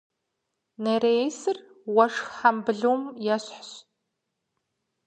Нереисыр уэшх хьэмбылум ещхьщ.